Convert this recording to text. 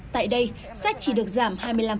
tại đây sách chỉ được giảm hai mươi năm